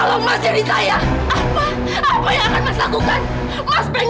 mas mas saya mohon mas jangan kegabah